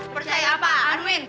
percaya apaan win